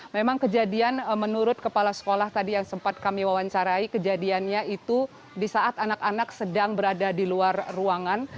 memang kejadian menurut kepala sekolah tadi yang sempat kami wawancarai kejadiannya itu di saat anak anak sedang berada di luar ruangan